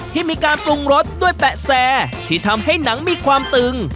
ที่มีการปรุงรสด้วยแปะแซที่ทำให้หนังมีความตึง